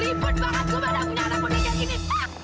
ribut banget gue mana punya anak muda kayak gini